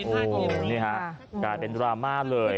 โอ้โหนี่ฮะกลายเป็นดราม่าเลย